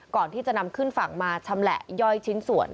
ก่อนที่จะนำขึ้นฝั่งมาชำแหละย่อยชิ้นส่วน